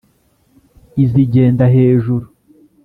izigenda hejuru